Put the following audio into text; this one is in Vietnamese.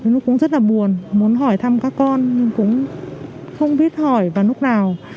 lúc cũng rất là buồn muốn hỏi thăm các con nhưng cũng không biết hỏi vào lúc nào